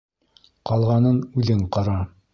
Ҡалғанын үҙең ҡара.